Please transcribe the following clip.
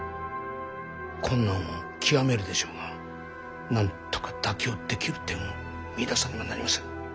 困難を極めるでしょうがなんとか妥協できる点を見いださねばなりません。